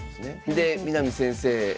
で南先生